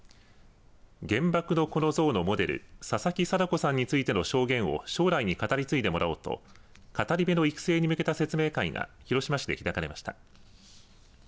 原爆の子の像のモデル佐々木禎子さんについての証言を将来に語り継いでもらおうと語り部の育成に向けた説明会が広島市で開かれました。